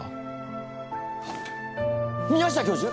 宮下教授！？